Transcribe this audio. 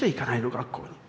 学校に」。